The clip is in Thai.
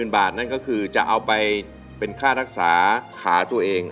บาทนั่นก็คือจะเอาไปเป็นค่ารักษาขาตัวเอง